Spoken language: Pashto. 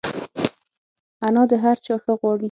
انا د هر چا ښه غواړي